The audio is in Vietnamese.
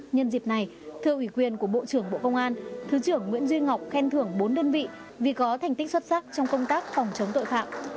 nhân dịp này thưa ủy quyền của bộ trưởng bộ công an thứ trưởng nguyễn duy ngọc khen thưởng bốn đơn vị vì có thành tích xuất sắc trong công tác phòng chống tội phạm